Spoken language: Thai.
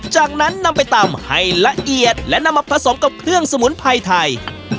จากนั้นนำไปตำให้ละเอียดและนำมาผสมกับเครื่องสมุนไพรไทย